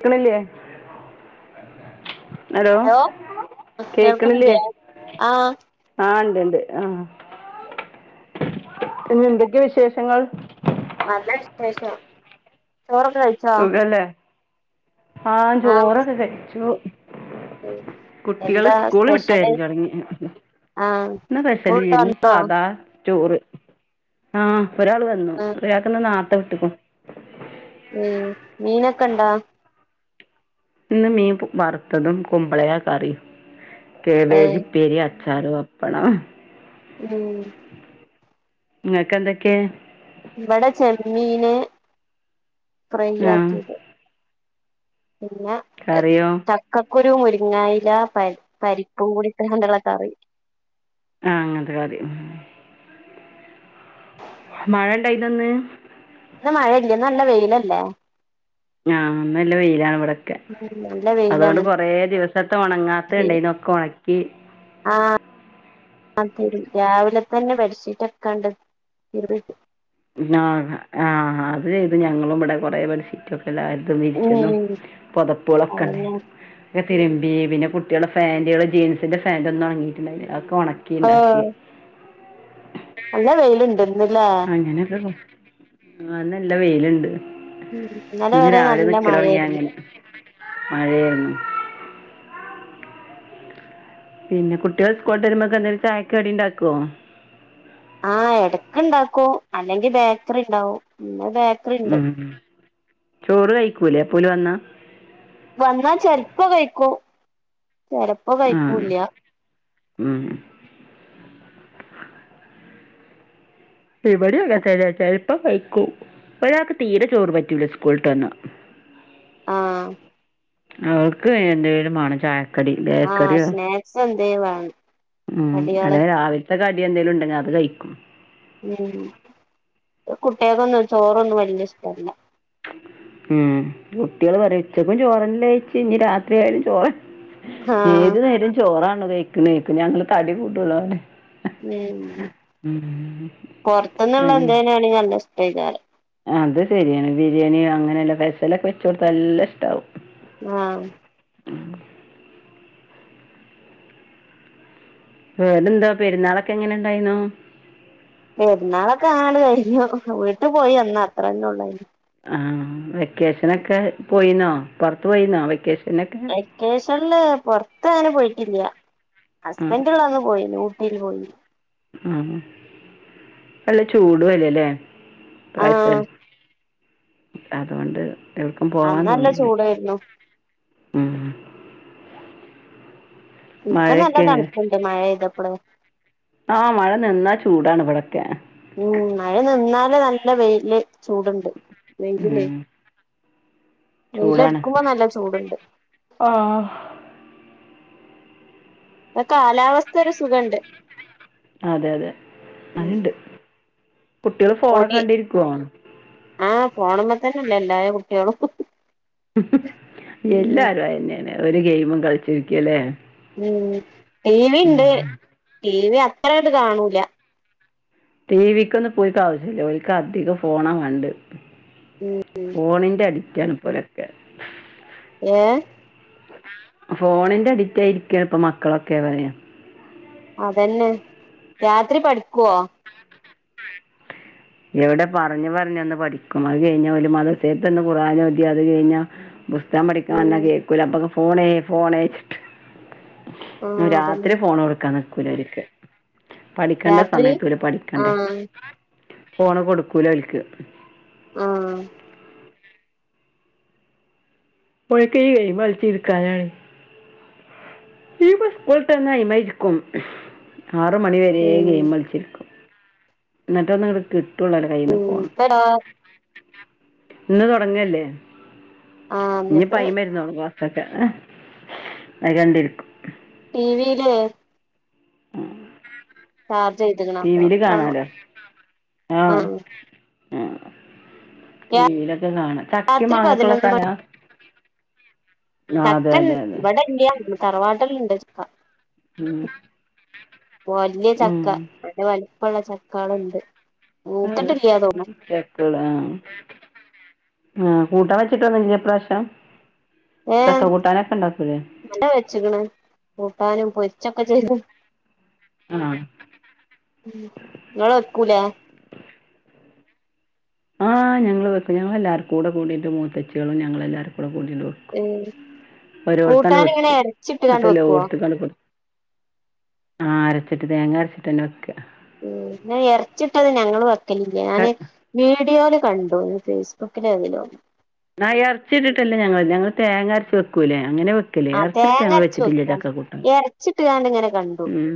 ക്കണില്ലേ? Hello കേക്കണില്ലേ? കേൾക്കണില്ലേ ആഹ് ഇണ്ട് ഇണ്ട് ആഹ് പിന്ന എന്തൊക്കെയ വിശേഷങ്ങൾ? നല്ല വി ശേഷം ചോറക്കെ കഴി സുഖല്ലേ ആഹ് ചോറൊക്കെ കഴിച്ചു. കുട്ടികള് എന്താ സ്കൂള് വിട്ട് സ്പെഷ്യല് വെര് [unintelligible] തെടങ്ങിന് ആഹ് ഇന്ന് പേസല് സ്കൂളിട്ട് ഇല്ലെനു വന്നോ സാധാ ചോറ്. ആഹ് ഒരാള് വെര്ന്നു ആഹ് ഒരാക്ക് ഇന്ന് നാട്ട കെട്ടി കൊ ലെ മീനൊക്കെ ഇണ്ടാ? ഇന്ന് മീൻ പെ വറ്ത്തതും കുമ്പളങ്ങ്യാ കറിയും ക്യയാവേജ് ഏഹ് ഉപ്പേരി അ ചാറ് പപ്പണം. ഉം ഇങ്ങക്ക് എന്തൊക്ക്യേ? ഇവടെ ചെമ്മീന് ഫ്രൈ ആ ആക്കിയത്. പിന്നെ എഹ് കറിയോ ച ക്ക കുരു മുരിങ്ങായിലാ പരി പരിപ്പും കൂടി ഇണ്ട് ഒള്ളാ കറി. ആഹ് അങ്ങൻത്തെ കറിയും. മഴ ഇണ്ടായിനോ ഇന്ന്? ഇന്ന് മഴ ഇല്ല ഇന്ന് നല്ല വെയ്ലല്ലെ? ആഹ് ഇന്ന് നല്ല വെയിലാണ് ഇവടൊക്കെ ഉം നല്ല അതോണ്ട് കൊറേ ദിവസത്തെ ഒണങ്ങാ ത് ആഹ് ആഹ് തരും രാവിലെ തന്നെ ബെഡ്ഷീറ്റൊക്കാണ്ട് തിരുമ്പി [unintelligible] ആഹ് അത് ചെയ്ത് ഞങ്ങളും ഇവടെ കൊറെ ബെഡ്ഷീറ്റ് എല്ലാര്തും വിരിക്കുന്ന ഉം പൊതപ്പള് അതന്നെ ഒക്കേണ്ടാര്ന്നു ക്കെ തിര്മ്പി പിന്നെ കുട്ടികള്ടെ ഫാന്റ്കള് ജീൻസിന്റെ ഫാൻ്റ് ഒന്നും ഒണങ്ങിയിട്ട് ഇണ്ടായിര്ന്നില്ല അതൊക്കെ ഒണക്കി ആഹ് ഇണ്ടാക്കി നല്ല വെയില് ഇണ്ട്ന്നില്ലേ [unintelligible] ആഹ് നല്ല വെയ്ല്ണ്ട് ഉം ഇന്നലെ ഇന്ന് വരെ രാവിലെ നല്ല നിക്കല് തൊടങ്ങിയാ മഴയായിരുന്നു അങ്ങനെ മഴയാരുന്നു പിന്നെ കുട്ടികൾ സ്കൂള് വിട്ട് വെര്മ്പേക്ക് എന്തേലും ചായക്ക് കടി ഇണ്ടാക്കുവോ ആഹ് എടക്ക് ഇണ്ടാക്കും അല്ലെങ്കി ബേക്കറി ഇണ്ടാവും പിന്നെ ബേ ഉം ചോറ് കയിക്കൂലേ അപ്പോല് വന്നാ വന്നാ ചെലപ്പ കയിക്കും ചെല ആഹ് ഉം ഇവടെ എന്ന്വച്ചാല് ചെലപ്പം വെക്കും ഒരാക്ക് തീരെ ചോറ് പറ്റൂല്ലാ സ്കൂള് ട്ട് വന്നാ ആഹ് അവർക്ക് വേണ്ടി വെരും മാണം ചായ കടി ആഹ് ബേക്കറിയോ സ്നാക്സ് എന്തേലും വേണം ഉം കടികള് അല്ലെ രാവി ത്തെ കടി എന്തേലും ഇണ്ടെങ്കി അത് കയിക്കും ഉം കുട്ടിയോക്കൊന്നും ചോറൊന്നും വല്ല്യ ഇഷ്ടല്ല ഉം കുട്ടിയോള് പറേയും ഉച്ചക്കും ചോറ് അല്ലേ കയ്ച്ചേ ഇനി രാത്രിയായാലും ചോറ ആഹ് ഏത് നേരോം ചോറാണോ കയ്ക്കണേ കേക്കും ഞങ്ങള് തടി കൂട്തല്ള്ളോര് ഉം പൊർത്തൊന്നുള്ള അങ്ങനെ എന്തെയ്നെയാണ് നല്ലയിഷ്ട്ടായികാരം അത് ശരിയാണ് ബിരിയാണിയോ അങ്ങനെള്ള ഫെഷലൊക്കെ വെച്ച് കൊടുത്ത നല്ല ഇഷ്ടാവും ആഹ് വേറെന്താ പെരുന്നാളൊക്കെ എങ്ങനെണ്ടായീന്നു? പെരുന്നാളൊക്കെ അങ്ങട് കഴിഞ്ഞു വീട്ടു പോയി വന്ന് അത്രന്നേ ഉള്ളായിര്ന്ന് ആഹ് വെക്കേഷനൊക്കെ പോയീന്നോ പൊറത്ത് പോയീന്നോ വെക്കേഷനൊക്കെ കേഷനില് പൊർത്ത് അങ്ങനെ പോയിട്ടില്യ ആ ഹസ്ബൻഡള്ളന്ന് പോയീന്നു ഊട്ടീല് പോയി ആഹ് നല്ല ചൂടു വെയിലല്ലേ ആഹ് ഇപ്രാവശ്യം അതുകൊണ്ട് എവിടെക്കും അന്ന് പോവാൻ നല്ല തോന്നുന്നില്ല ചൂടായിരുന്നു ഉം. ഇപ്പൊ നല്ല മഴയൊക്കെ തണുപ്പുണ്ട് മഴെയ്തപ്പള് ആഹ് മഴ നിന്നാ ചൂടാണ് ഇവിടൊക്കെ ഉം മഴ നിന്നാല് നല്ല വെയില് ചൂടുണ്ട് വെയിലിലേ ഉം. വെയിലടിക്കുമ്പോ നല്ല ചൂടുണ്ട് ആഹ് ആ കാലാവസ്ഥ ഒരു സുഖണ്ട് അതെ അതെ ഉം അത്ണ്ട് കുട്ടിയള് ഫോണൊക്കെ പൊടി കണ്ടിരിക്കുവോ ആഹ് ഫോണ്മ്മേ തന്നെല്ലേ എല്ലാ കുട്ടിയളും എല്ലാരും അയന്നെയാണ് ഒരു ഗെയിമും കളിച്ചിരിക്കല്ലേ ഉം ടി വി ണ്ട് ടി വി അത്രായിട്ട് കാണൂല ടി വി ക്കൊന്നും ഇപ്പോര്ക്ക് ആവശ്യില്ല ഓര്ക്ക് അധികം ഫോണാ വേണ്ടേ ഉം ഫോണിന്റെ അഡിക്റ്റാണ് ഇപ്പോരൊക്കെ ഏഹ് ഫോണിന്റെ അഡിക്റ്റ് ആയിരിക്കാ ഇപ്പൊ മക്കളൊക്കെ പറയാ അതന്നെ രാത്രി പഠിക്കുവോ എവിടെ പറഞ്ഞ് പറഞ്ഞ് ഒന്ന് പഠിക്കും അത് കഴിഞ്ഞാ ഓല് മതറസേത്തന്ന് കുറാന ഓതി അത് കഴിഞ്ഞ പുസ്തകം പഠിക്കണർഞ്ഞ ഉം കേക്കുല അപ്പക്ക് ഫോണേ ഫോണേ ആഹ് രാത്രി അതന്നെ ഫോണടുക്കാൻ നിക്കൂല ഓര്ക്ക് പഠിക്കണ്ട രാത്രി സമയത്ത് ഓല് പഠിക്കണ്ടേ ആഹ് ഫോണ് കൊടുക്കൂല ഓൽക്ക് ആഹ് [unintelligible] [unintelligible] സ്കൂള്ട്ടന്നാ അയിമെ ഇരിക്കും ആറ് മണി വരെ ഉം ഗെയിമളിച്ചിര്ക്കും എന്നിട്ട് ഒന്ന് ഇങ്ങട്ട് കിട്ടുള്ളൂല്ല കയ്യിന്ന് ഉം ഫോണ് ഇപ്പ ഇന്ന് തൊടങ്ങല്ലേ ആഹ് ഇനി ഇന്നിപ്പോ പൈമ [unintelligible] [unintelligible] അയികണ്ടിരിക്കും ടി വി യിലല്ലേ ഉം ചാർജ് ചെയ്ത്ക്ക്ണ് അപ്പൊ ടിവില് കാണും കാണാലോ ആഹ് ടി വി ലൊക്കെ കാണാ ചക്കിം രാത്രി മാങ്ങക്കുള്ള പതിനൊന്ന് സ്ഥലാ ആ അതെ ചക്കൻ അതെ അതെ ഇവട ഇല്ല തറവാട്ട്ല് ഇണ്ട് ചക്ക ഉം വല്ല്യ ഉം ചക്ക നല്ല വലുപ്പള്ള ചക്കാള്ണ്ട് [unintelligible] [unintelligible] ആഹ് മൂത്തിട്ടില്ല തോന്നുണു കൂട്ടാം വെച്ചിട്ടൊന്നുല്ലേ ഇപ്രാവശ്യം ചക്ക ഏഹ് കൂട്ടാനൊക്കെ ഉണ്ടാക്കൂലേ [unintelligible] വെച്ച്ക്ക്ണ് കൂട്ടാനും പൊരിച്ചൊക്കെ ചെയ്തു ആഹ് ങ്ങള് വെക്കൂലെ ആഹ് ഞങ്ങളു വെക്കും ഞങ്ങളെല്ലാരും കൂടെ കൂടീട്ട് മുത്തച്ചികളും ഞങ്ങളെല്ലാവരും കൂടെ കൂടിട്ട് ഉം ഒരോട്ത്താണ്ട് കൂട്ടാന് ഇങ്ങനെ വെക്കും ന്നട്ട് എറച്ചിട്ട്കാണ്ട് വെക്കുവോ എല്ലോട്ത്ത് [unintelligible] കൊടുക്കും ആഹ് അരച്ചിട്ട് തേങ്ങ അരച്ചിട്ടന്നെ വെക്ക ഉം ഞാൻ എറച്ചിട്ടത് ഞങ്ങള് വെക്കലില്ല ഞാന് വെക്കുക വീഡിയോല് കണ്ടു നി ഫേസ്ബുക്കിലോ എയ്ലോ. ന്നാ എറച്ചിട്ട്ട്ടല്ല ഞങ്ങള് ഞങ്ങള് തേങ്ങ അരച്ച് വെക്കൂല്ലേ അങ്ങനെ വെ ക്കലേ ആ എറച്ചിട്ട്ട്ട് തേങ്ങ ഞങ്ങള് അരച്ച് വെച്ചിട്ടില്ല വെക്കും ചക്കക്കൂട്ടാന് ഇറച്ചിട്ട്കാണ്ട് ഇങ്ങനെ കണ്ടു ഉം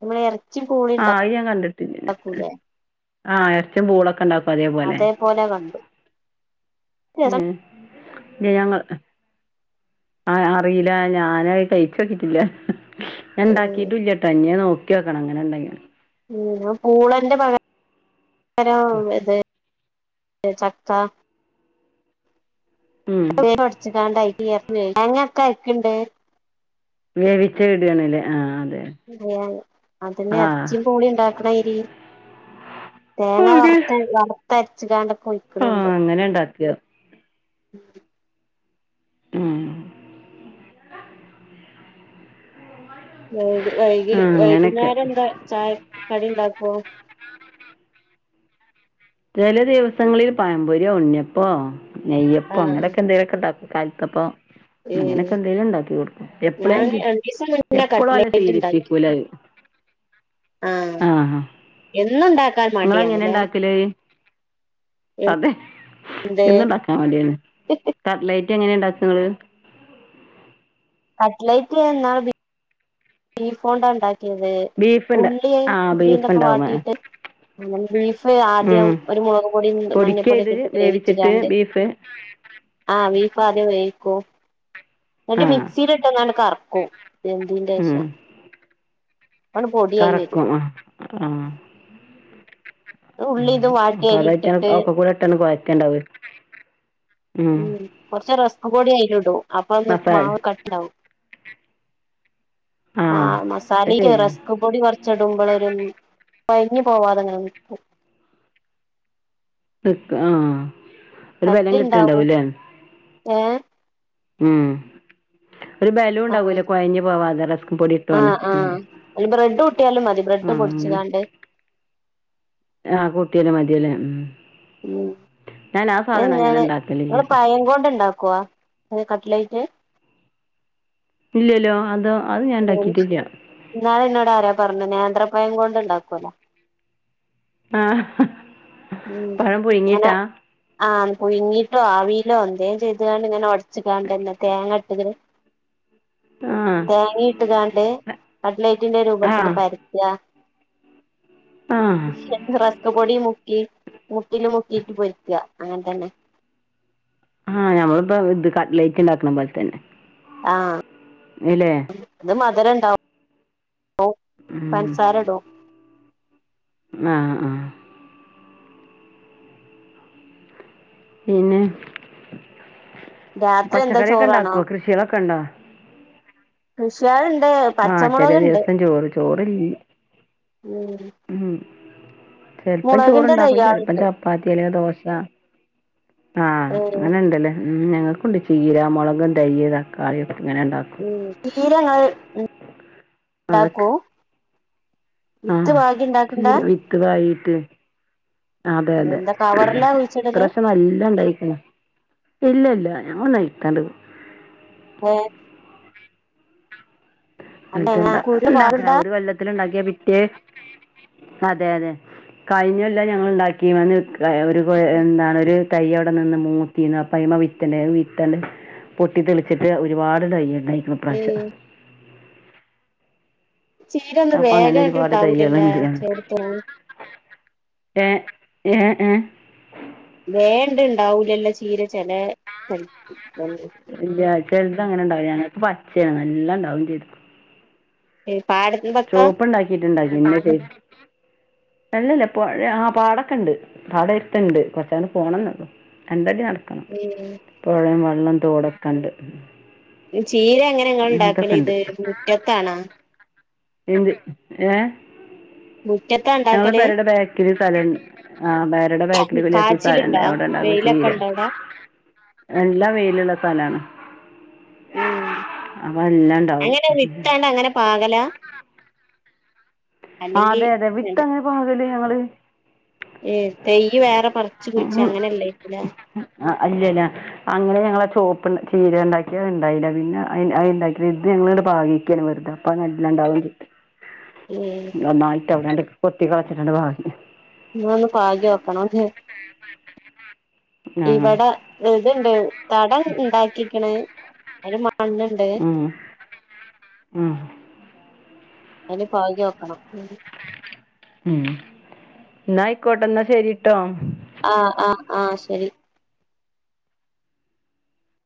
നമ്മള് ഇറച്ചി പൂളി ആഹ് [unintelligible] യാൻ കണ്ടിട്ടില്ല ഉണ്ടാക്കൂലേ ആ എറച്ചിംപൂളൊക്കെ ഉണ്ടാ അതേ പോലെ കണ്ടു [unintelligible] ഉം ജയാങ്കൾ ആഹ് അറിയില്ല ഞാനായി കയ്ച്ചോക്കിട്ടില്ല ഞാണ്ടാക്കിയിട്ടുലട്ടോ ഞ് നോക്കി ക്കണം അങ്ങനെ ഉണ്ടങ്കി ഉം ന്നാ പൂളന്റെ പക പരാവും ഇത് ചക്ക ഉം [unintelligible] വേവിച്ച് ഇട് ആണ്ല്ലേ ആ അതെ. അതെ അതന്നെ ആ എറച്ചിം പൂളിം ഇണ്ടാക്കണായിരി. തേങ്ങ വറുത്ത വറ്ത്തരച്ചികാണ്ടൊക്കെ [unintelligible] ആഹ് അങ്ങനെന്നെ ഉണ്ടാക്കാ ഉം ഉം വൈക വൈകി ആ അങ്ങനെയൊക്കെ വൈകുന്നേരം എന്താ ചായ കടി ഉണ്ടാക്കോ ചെല ദിവസങ്ങളില് പഴം പൊരിയോ ഉണ്ണിയപ്പോ നെയ്യപ്പോ ആഹ് അങ്ങനെക്കെ എന്തെലക്കെ ഇണ്ടാക്കും. കൽത്തപ്പൊ അങ്ങനെക്കെ ഏഹ് എന്തേലും ഇണ്ടാക്കി കൊടുക്കും ഞാൻ എപ്പളേങ്കിലും രണ്ടീസം മുന്നേ എപ്പളും അത് കട്ട്ലേറ്റ് ഉണ്ടാക്കി ശീലിപ്പിക്കൂല അഹ്. [inaudible] ആഹ് ആ ആ എന്നുണ്ടാക്കാൻ ഇങ്ങള് എങ്ങനെ മടിയാണല്ലേ ഇണ്ടാക്കലഹ്? അതെ എന്ത് എന്ന്ണ്ടാക്കാൻ മടിയാണ് കട്ലൈറ്റ് എങ്ങനെ ഇണ്ടാക്ക ഇങ്ങള്? കട്ലൈറ്റ് ഇന്നാള് ബി ബീഫോണ്ടാ ഇണ്ടാക്കിയത് ബീഫ് ഉണ്ട് ഉള്ളിയ് ആ ഉള്ളി ബീഫ് ഇതൊക്കെ ഉണ്ടാവും ആ വാട്ടീട്ട് അങ്ങനെ ബീഫ് ആദ്യം ഉം. ഒരു മുളക് പൊടി പൊടിക്കുക ഇത് മഞ്ഞപ്പൊടിയക്കെ ഇട്ട് വേവിച്ചിട്ട് വേവിച്ച്ക്കാണ്ട് ബീഫ് ആ വീഫ് ആദ്യം വേവിക്കൂ ആ [unintelligible] മിക്സിൽ ഇട്ടൊന്ന് ആണ്ട് കറക്കൂ. ഉം. എന്ത്ന്റെഷാ വരും കറക്കും ആ ആ ഉം ഉള്ളി ഇതും ഉം വാട്ടി അതായിറ്റാണ് അയിലിട്ടിട്ട് അഒക്കെ കൂടെ ഇട്ടാണ്ട് കൊഴക്ക ഇണ്ടാവെ. ഉം കൊർച്ച് റസ്ക്ക് പൊടി അയിലുടു അപ്പൊന്ന് മസാല മാവ് ക ണ്ടാവും ആ ആഹ് അത് മസാലിക്ക് ശരിയാ റസ് ക്ക പൊടി കൊർച്ചിടുമ്പളൊരും കൊഴഞ്ഞ് പോവാതെങ്ങനെ നിക്കും. നിക്ക ആ അട്ടിണ്ടാവു ഏ ഉം ഒരു ബലൂ ഇണ്ടാവോല്ലോ കൊഴഞ്ഞ് പോവാതെ റസ്ക്കും പൊടി ആ ഇട്ടോണ്ട് ആ ഉം അയിൽ ബ്രെഡ് കൂട്ടിയാലും മതി ബ്രെഡ് ആഹ് പൊടിച്ച്ക്കാണ്ട് ആ പുട്ടിയിലെ മതില്ലേ ഉം ഉം ഞാൻ ആ സാധനം അങ്ങനെ എന്താണ് ഇണ്ടാക്കലില്ല ഇങ്ങള് പഴം കൊണ്ട് ഇണ്ടാക്കോ [unintelligible] കട്ലൈറ്റ്? ഇല്ലല്ലോ അതോ അഹ് ഞാൻ ഇണ്ടാക്കിട്ടില്ല. ഇന്നാള് എന്നോട് ആരാ പറഞ്ഞു നേന്ത്രപഴം കൊണ്ട്ണ്ടാക്കോല്ലോ. ആഹ് ഉം പഴം ഇങ്ങനെ പുഴുങ്ങിട്ടാ ആ പുയിങ്ങിട്ടോ ആവിയിലോ എന്തേം ചെയ്ത്ക്കാണ്ട് ഇങ്ങനെ ഒട് ച്ച്കാണ്ടന്നേ തേങ്ങ ഇട്ട് ഇങ്ങനെ താഹ് തേങ്ങിട്ട്ക്കാണ്ട് കട്ലൈറ്റിന്റെ രൂപത്തില് ആഹ് പരത്ത. ആഹ് റസ്ക്ക് പൊടി മുക്കി മുട്ടില് മുക്കിയിട്ട് പൊരിക്ക അങ്ങൻതന്നെ. ആ ഞമ്മള്പ്പം ഇത് കട്ലൈറ്റ് ഇണ്ടാക്ക്ണ പോൽ തന്നെ. ആഹ് ണ്ലേ ഇത് മധുരണ്ടാവും ഒ ഉം പൻസാര ഇടും. ആഹ് ആഹ് പിന്നെ രാത്രി എന്താ പച്ചക്കറിക്കെ ചോറാണോ ഇണ്ടാക്കോ കൃഷികളൊക്കെ ഇണ്ടോ? കൃഷിയാൾണ്ട് ആ ചെല ദിവസം ചോറ് ചോറൽ ഉം ഉം ചെൽപ്പം ചോറ് മുളകിന്റെ ണ്ടാക്കും ചെലപ്പം തയ്യാളുണ്ട് ച പ്പാത്തി അല്ലെങ്കി ദോശ ആ ഏഹ് അങ്ങനെ ഇണ്ടല്ലേ. ഉം ഞങ്ങക്കുണ്ട് ചീരാമൊളക് തൈയ്യ് തക്കാളി ഇങ്ങനെ ഇണ്ടാക്കും. [unintelligible] ചീരങ്ങള് അതൊക്കെ ണ്ടാക്കൂ? ആ ചീര വിത്ത് പായീട്ട് അതെ അതെ എന്താ കവറിലാ കുഴിച്ചിടല് ഇപ്രാവശ്യം നല്ല ഇണ്ടായിക്ക്ണ്. ഇല്ല ഇല്ല [unintelligible] ഏ അല്ല എങ്ങനെ കുരു ണ്ടാക്കണ പാകണ്ടാ ഒരു കൊല്ലത്തില് ണ്ടാക്കിയാ പിറ്റേ അതെ അതെ കഴിഞ്ഞൊല്ലം ഞങ്ങൾ ണ്ടാക്കീമേന്ന് വെക്ക ഒരു എന്താണ് ഒരു തൈയ്യവിടെ നിന്ന് മൂത്തീന്ന് അപ്പയ്മ വിത്ത്ണ്ടായിനു അത് വിത്ത്ള് പൊട്ടി തെളിച്ചിട്ട് ഒരുപാട് തൈയ്യ് ണ്ടായിരിക്കണ് ഇ പ്രാശം ഏഹ് ചീര ഒന്നും അപ്പൊ അങ്ങനെ വേഗായിട്ട് ഒരുപാട് ഇണ്ടാവൂലല്ലേ തൈയ്യള്ണ്ട് ഞങ്ങക്ക് ചേടത്തൊന്നും ഏ ഏ ഏ വേർണ്ട ണ്ടാവൂലല്ലോ ചീര ചെലേ തൈക്ക് ഇല്ല ചെൽത് അങ്ങനെ ഉണ്ടാവും ഞങ്ങക്ക് പച്ചേണ് എല്ലാം ഉണ്ടാവും ചെയ്തു ഏ പാട- ചോപ്പ് ണ്ടാക്കിട്ടുണ്ടായി ഇന്നലെ കയിഞ്ഞു അല്ലല്ല പൊഴ ആ പാടൊക്കെ ണ്ട് പാടം അട്ത്ത്ണ്ട് കൊറച്ചങ്ങ്ട് പോണംന്നുള്ളു രണ്ടടി നടക്കണം വെയില് പൊഴേം വെള്ളം തോടെക്കെണ്ട് ഈ ചീര എങ്ങനെങ്ങൾണ്ടാക്കല് ഉണ്ട് ഇത് മുറ്റത്താണാ ഏഹ് മുറ്റത്താണോ ഞങ്ങളെ പെരേടെ ബാക്കില് സലംണ്ട് ആ പെരേടെ ബാക്കില് [unintelligible] കാച്ചില്ണ്ടോ വെയിലൊക്കെ ഇണ്ടോ അവിടാ നല്ലാ വെയിലുള്ള സ്ഥലാണ് ഉം അപ എല്ലാണ്ടാവും പാവലാ ആഹ് അതെ അതെ വിട്ട അങ്ങനെ പാകലാ ഞങ്ങള് ഏ തൈയ്യ് വേറെ പറച്ച് കുയ്ച്ചങ്ങനെയല്ലായ്ക്കുലേ ആഹ് അല്ലല്ല അങ്ങനെ ഞങ്ങള ചോപ്പ്ന്ന് ചീരണ്ടാക്കി അത് ണ്ടായില്ല, പിന്നെ അയ്ണ്ടാക്കിയ ഇത് ഞങ്ങളത് പാകീക്കാണ് വെർതെ പ്പൊ നല്ലോം ണ്ടാവണ്ട് ഉം ഒന്നായിട്ട് അവിടങ് കൊത്തി കളച്ചിട്ട് പാകി ന ഒന്നു പാകി നോക്കണം ഹേ ആ ഇവിടെ ഇത്ണ്ട് തടം ണ്ടാക്കിക്ക്ണ് അയ്ന് മണ്ണ്ണ്ട് ആഹ് അയ്ല് പാകി നോക്കണം മ്മ്ഹ് എന്ന ആയിക്കോട്ടെ എന്നാ ശരിട്ടോ അഹ് അഹ് ആഹ് ശരി